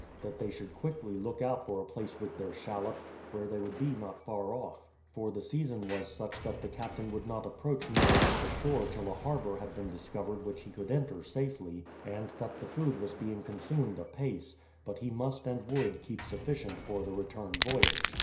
That they should quickly look out for a place with their shallop, where they would be not far off ; for the season was such that the 66 BRADFORD'S HISTORY captain would not approach nearer to the shore till a har bour had been discovered which he could enter safely; and that the food was being consumed apace, but he must and would keep sufficient for the return voyage.